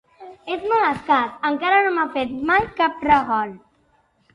És molt escàs: encara no m'ha fet mai cap regal.